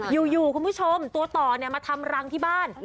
อยู่คุณผู้ชมตัวต่อมาทำรังที่บ้าน